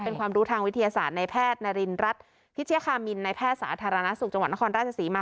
เป็นความรู้ทางวิทยาศาสตร์ในแพทย์นารินรัฐพิชคามินในแพทย์สาธารณสุขจังหวัดนครราชศรีมา